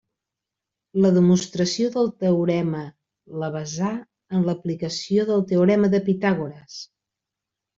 La demostració del teorema la basà en l'aplicació del teorema de Pitàgores.